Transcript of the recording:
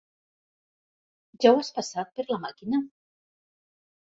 Ja ho has passat per la màquina?